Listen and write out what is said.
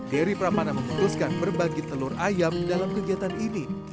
dery pramana memutuskan berbagi telur ayam dalam kegiatan ini